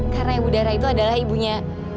karena ibu dara itu adalah ibunya